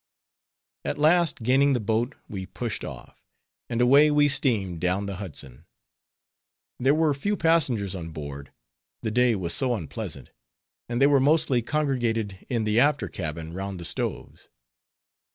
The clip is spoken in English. At last gaining the boat we pushed off, and away we steamed down the Hudson. There were few passengers on board, the day was so unpleasant; and they were mostly congregated in the after cabin round the stoves.